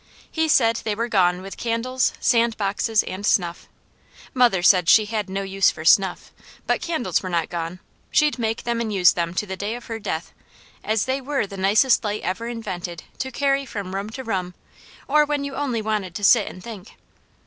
He said they were gone with candles, sand boxes, and snuff. Mother said she had no use for snuff, but candles were not gone, she'd make and use them to the day of her death, as they were the nicest light ever invented to carry from room to room, or when you only wanted to sit and think.